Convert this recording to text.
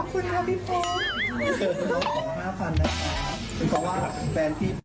เปล่าแฟนคนเดิม